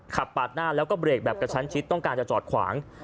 ปาดหน้าแล้วก็เบรกแบบกระชั้นชิดต้องการจะจอดขวาง